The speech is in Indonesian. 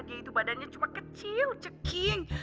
dia itu badannya cuma kecil ceking